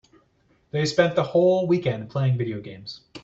They spent the whole weekend playing video games.